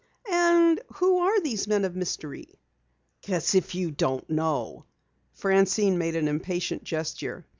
"And who are these men of mystery?" "As if you don't know!" Francine made an impatient gesture.